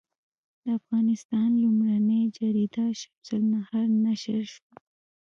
د افغانستان لومړنۍ جریده شمس النهار نشر شوه.